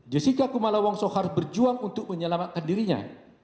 jessica kumala wongso harus berjuang untuk menyelamatkan dirinya